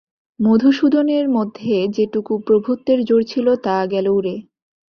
মধুসূদনের মধ্যে যেটুকু প্রভুত্বের জোর ছিল তা গেল উড়ে।